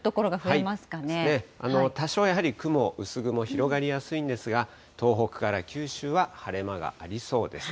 多少やはり、雲、薄雲広がりやすいんですが、東北から九州は晴れ間がありそうです。